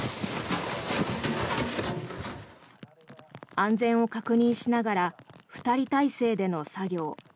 安全を確認しながら２人態勢での作業。